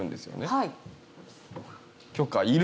はい。